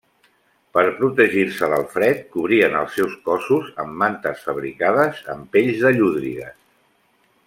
Per protegir-se del fred cobrien els seus cossos amb mantes fabricades amb pells de llúdrigues.